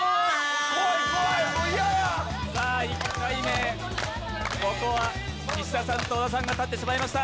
１回目、ここは石田さんと小田さんが立ってしまいました。